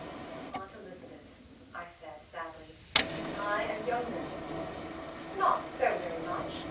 "Aunt Elizabeth," I said, sadly, "I am younger than you " "Not so very much!"